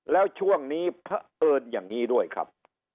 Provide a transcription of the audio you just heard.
แล้วช่วงนี้พระเอิญอย่างนี้ด้วยครับ